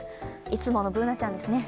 いつものＢｏｏｎａちゃんですね。